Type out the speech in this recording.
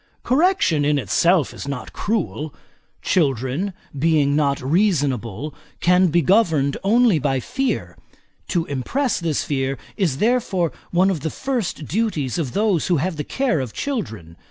Correction, in itself, is not cruel; children, being not reasonable, can be governed only by fear. To impress this fear, is therefore one of the first duties of those who have the care of children.